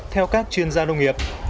theo các chuyên gia đông nghiệp